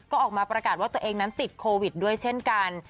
ก็ออกมาประกาศว่าตัวเองนั้นติดโควิดด้วยเช่นกัน